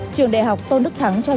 trường đại học tôn đức thắng cho rằng